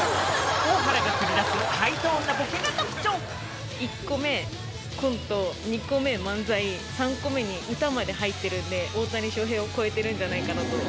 大原が繰り出すハイトーンな１個目、コント、２個目漫才、３個目歌まで入ってるんで、大谷翔平を超えてるんじゃないかなと。